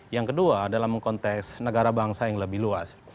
yang kedua dalam konteks negara bangsa yang lebih luas